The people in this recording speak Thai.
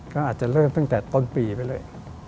ก็อาจจะเริ่มตั้งแต่ต้นปีไปเลย